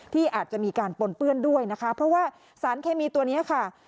ที่อาจจะมีการปนเปื้อนด้วยนะคะเพราะว่าสารเคมีตัวนี้ค่ะ